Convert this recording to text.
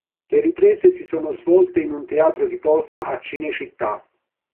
Le riprese si sono svolte in un teatro di posa a Cinecittà.